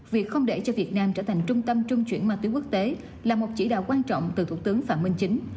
việc không để cho việt nam trở thành trung tâm trung chuyển ma túy quốc tế là một chỉ đạo quan trọng từ thủ tướng phạm minh chính